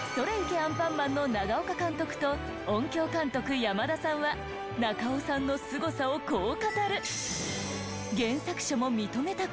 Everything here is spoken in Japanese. アンパンマン』の永丘監督と音響監督山田さんは中尾さんのスゴさをこう語る！